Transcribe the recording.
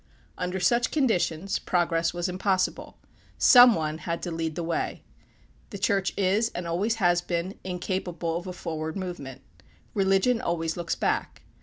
Under such conditions progress was impossible. Some one had to lead the way. The Church is, and always has been, incapable of a forward movement. Religion always looks back.